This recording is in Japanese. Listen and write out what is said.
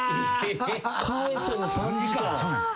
そうなんです。